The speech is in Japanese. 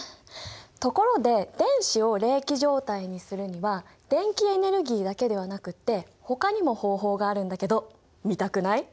ところで電子を励起状態にするには電気エネルギーだけではなくってほかにも方法があるんだけど見たくない？